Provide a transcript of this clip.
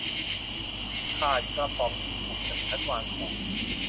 ขาดกระป๋องดีบุกจากชั้นวางของ